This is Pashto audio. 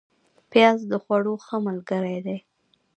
پیاز د خوړو ښه ملګری دی